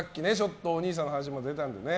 お兄さんの話も出たのでね。